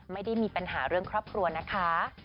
ไม่ได้มีปัญหาเรื่องครอบครัวนะคะ